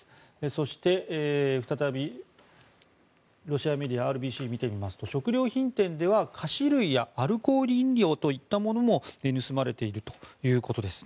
そして、再びロシアメディアＲＢＣを見てみますと食料品店では菓子類やアルコール飲料といったものも盗まれているということです。